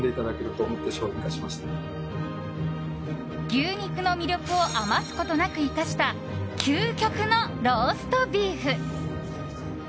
牛肉の魅力を余すことなく生かした究極のローストビーフ。